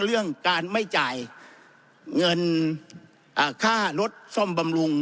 เรื่องการไม่จ่ายเงินค่ารถซ่อมบำรุง